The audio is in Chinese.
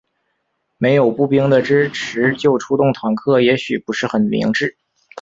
没有步兵的支持就出动坦克也许不是很明智。